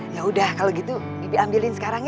yaudah kalau gitu bibi ambilin sekarang ya